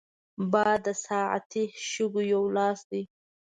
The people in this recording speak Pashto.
باد د ساعتي شګو یو لاس دی